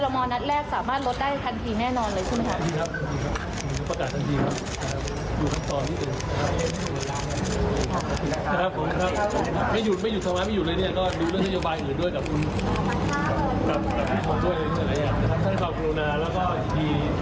นัดแรกสามารถลดได้ทันทีแน่นอนเลยใช่ไหมครับ